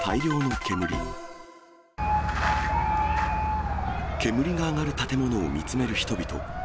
煙が上がる建物を見つめる人々。